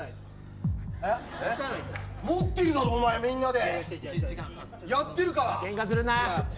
持ってるだろみんなで。